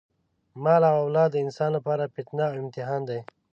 مال او اولاد د انسان لپاره فتنه او امتحان دی.